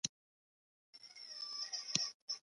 د جامو کاتونه یوناني سبک و